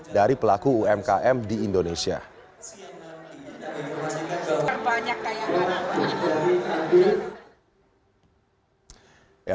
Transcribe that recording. dari pelaku umkm di indonesia